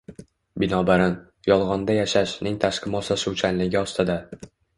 Binobarin, “yolg‘onda yashash”ning tashqi moslashuvchanligi ostida